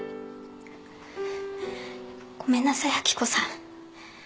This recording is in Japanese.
ごめんなさい明子さん。